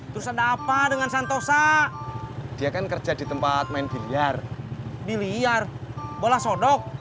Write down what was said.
terus ada apa dengan santosa dia kan kerja di tempat main biliar biliar bola sodok